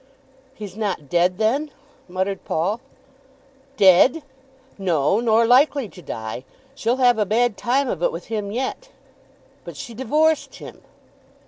"He's not dead then?" muttered Paul. "Dead! no, nor likely to die. She'll have a bad time of it with him yet." "But she divorced him."